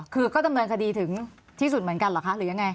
คือก็ดำเนินคดีถึงที่สุดเหมือนกันเหรอคะหรือยังไง